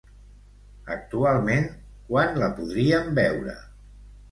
Actualment, quan la podríem veure?